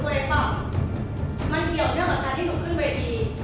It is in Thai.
มันเกี่ยวกับคำนักนี้หนูช่าว์กูช่าว์เวทย์